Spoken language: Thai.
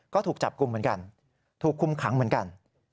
ก็ถูกจับกลุ่มเหมือนกันถูกคุมขังเหมือนกัน